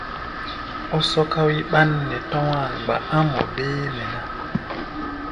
Ó sɔ́ká wí ɓán nɛ tɔ̧́á̧ gba̧Ꞌá̧ mɔ béémɛ ná.